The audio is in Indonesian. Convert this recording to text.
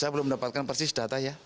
saya belum mendapatkan persis data ya